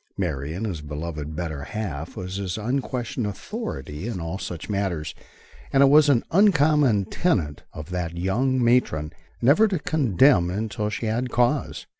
Marion, his beloved better half, was his unquestioned authority in all such matters, and it was an uncommon tenet of that young matron never to condemn until she had cause.